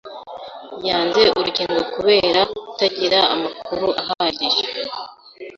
yanze urukingo kubera kutagira amakuru ahagije